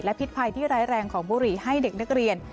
พิษภัยที่ร้ายแรงของบุหรี่ให้เด็กนักเรียน